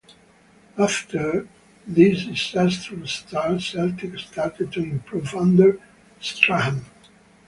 After this disastrous start, Celtic started to improve under Strachan.